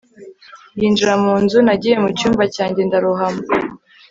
yinjira mu nzu. nagiye mucyumba cyanjye ndarohama